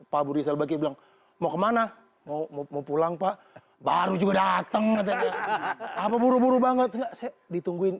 pak buri selbagi belum mau kemana mau pulang pak baru juga dateng apa buru buru banget ditungguin